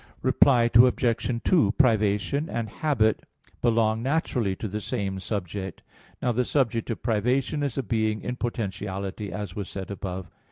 Reply Obj. 2: Privation and habit belong naturally to the same subject. Now the subject of privation is a being in potentiality, as was said above (Q. 48, A.